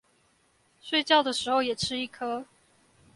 睡覺的時候也吃一顆